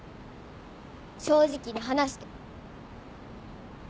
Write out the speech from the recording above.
正直に話して。